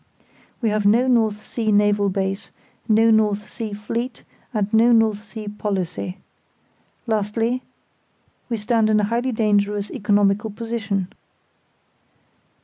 We have no North Sea naval base, no North Sea Fleet, and no North Sea policy. Lastly, we stand in a highly dangerous economical position.